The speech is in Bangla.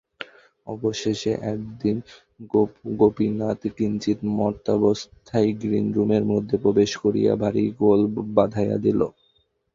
অবশেষে একদিন গোপীনাথ কিঞ্চিৎ মত্তাবস্থায় গ্রীনরুমের মধ্যে প্রবেশ করিয়া ভারি গোল বাধাইয়া দিল।